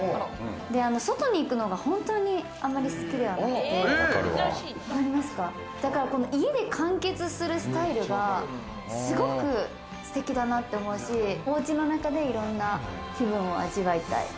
外に行くのがあまり好きではなくて、家で完結するスタイルがすごくすてきだなって思うし、おうちの中で、いろんな気分を味わいたい。